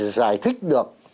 giải thích được